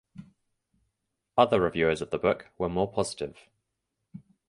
Other reviewers of the book were more positive.